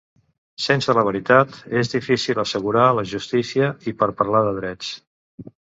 Sense la veritat, és difícil assegurar la justícia i per parlar de drets.